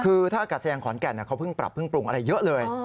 คือท่าอากาศยานขอนแก่นเขาเพิ่งปรับเพิ่งปรุงอะไรเยอะเลย